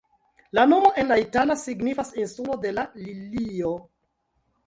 La nomo en la itala signifas "insulo de la lilio".